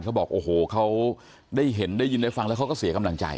เขาบอกโอ้โหเขาได้เห็นได้ยินได้ฟังแล้วเขาก็เสียกำลังใจ